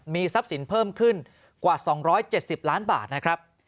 มีทรัพย์สินเพิ่มขึ้นกว่า๒๗๐ล้านบาทนะครับ